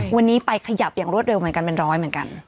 วันนี้ไปขยับอย่างรวดเร็วเหมือนกันเป็นร้อยเหมือนกัน